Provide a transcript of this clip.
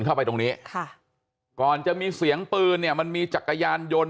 เข้าไปตรงนี้ค่ะก่อนจะมีเสียงปืนเนี่ยมันมีจักรยานยนต์